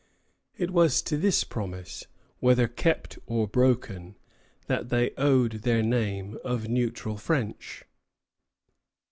It was to this promise, whether kept or broken, that they owed their name of Neutral French.